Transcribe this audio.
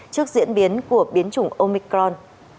trước diễn biến của biến chủng omicron